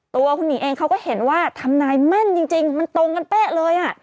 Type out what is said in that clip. ตัวคุณหิงเองเขาก็เห็นว่าทำนายแม่นจริงมันตรงกันเป๊ะเลยอ่ะ